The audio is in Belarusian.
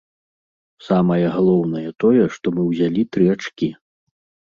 Самае галоўнае тое, што мы ўзялі тры ачкі.